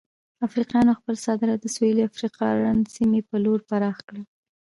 افریقایانو خپل صادرات د سویلي افریقا رنډ سیمې په لور پراخ کړل.